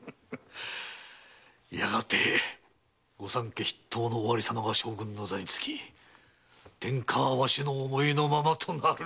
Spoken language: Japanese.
やがて御三家筆頭の尾張様が将軍の座につき天下はわしの思いのままとなる！